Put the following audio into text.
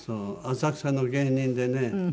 浅草の芸人でね